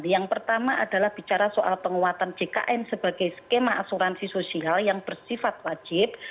yang pertama adalah bicara soal penguatan jkn sebagai skema asuransi sosial yang bersifat wajib